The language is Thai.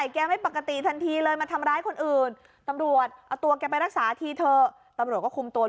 แกปรกตีถ้าแกไม่กินเหล้า